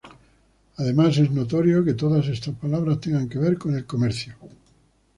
Además es notorio que todas estas palabras tengan que ver con el comercio.